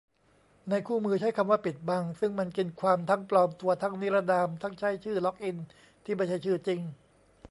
ในคู่มือใช้คำว่า "ปิดบัง" ซึ่งมันกินความ ทั้งปลอมตัว ทั้งนิรนาม ทั้งใช้ชื่อล็อกอินที่ไม่ใช่ชื่อจริง